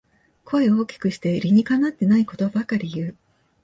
声を大きくして理にかなってないことばかり言う